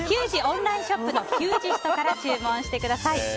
オンラインショップのＨＵＧＥｓｔ．から注文してください。